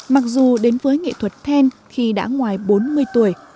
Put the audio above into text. mặc dù đến với nghệ thuật then khi đã ngoài bốn mươi tuổi